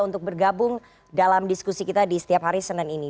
untuk bergabung dalam diskusi kita di setiap hari senin ini